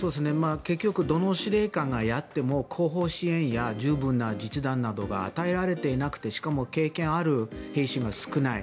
結局どの司令官がやっても後方支援や十分な実弾などが与えられていなくてしかも経験ある兵士が少ない。